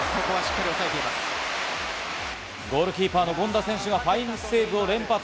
ゴールキーパー・権田選手がファインセーブを連発。